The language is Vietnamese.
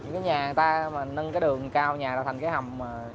những nhà người ta nâng đường cao nhà ra thành cái hầm